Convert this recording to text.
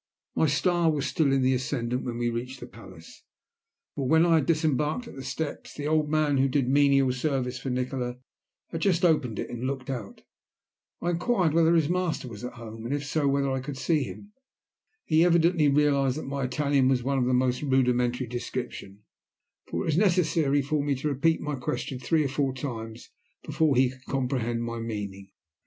My star was still in the ascendant when we reached the palace, for when I had disembarked at the steps, the old man who did menial service for Nikola, had just opened it and looked out. I inquired whether his master was at home, and, if so, whether I could see him? He evidently realized that my Italian was of the most rudimentary description, for it was necessary for me to repeat my question three or four times before he could comprehend my meaning.